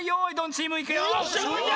チームいくよ！